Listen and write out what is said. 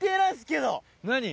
何？